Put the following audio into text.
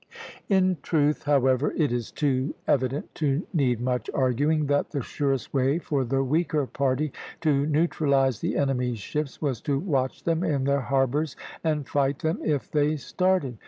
In truth, however, it is too evident to need much arguing, that the surest way for the weaker party to neutralize the enemy's ships was to watch them in their harbors and fight them if they started.